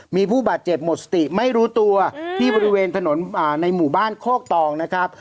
มีผู้บาดเจ็บหมดสติไม่รู้ตัวที่บริเวณถนนในหมู่บ้านโคกตองนะครับ